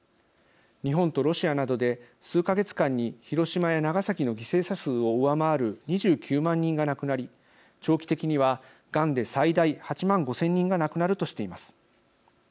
日本とロシアなどで数か月間に広島や長崎の犠牲者数を上回る２９万人が亡くなり長期的には、がんで最大８万５０００人が亡くなるとしています。